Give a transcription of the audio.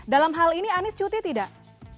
dalam hal ini anies cuti tidak